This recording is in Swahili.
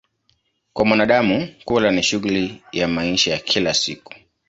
Kwa wanadamu, kula ni shughuli ya maisha ya kila siku.